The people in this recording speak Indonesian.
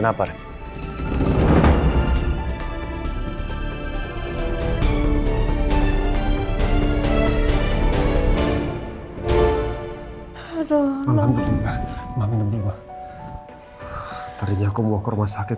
ternyata aku mau ke rumah sakit